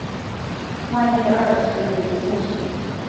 万历二十年进士。